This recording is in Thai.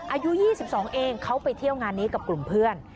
อายุ๒๒เองเขาไปเที่ยวงานนี้กับกลุ่มเพื่อน